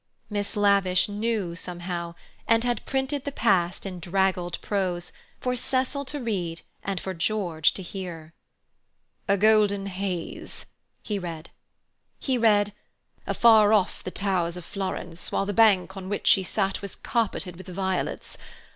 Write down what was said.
'" Miss Lavish knew, somehow, and had printed the past in draggled prose, for Cecil to read and for George to hear. "'A golden haze,'" he read. He read: "'Afar off the towers of Florence, while the bank on which she sat was carpeted with violets.